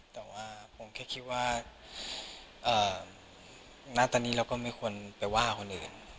แต่ว่าผมแค่คิดว่าณตอนนี้เราก็ไม่ควรไปว่าคนอื่น